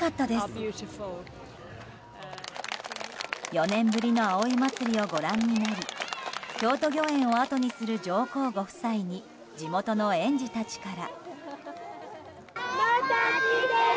４年ぶりの葵祭をご覧になり京都御苑をあとにする上皇ご夫妻に地元の園児たちから。